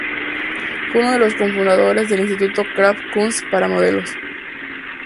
Fue uno de los cofundadores del instituto "Kraft-Kunst" para modelos.